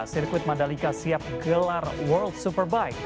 sirkuit mandalika siap gelar world superbike